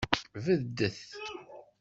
Beddet.